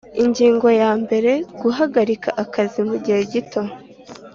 Ingingo ya mbere Guhagarika akazi mu gihe gito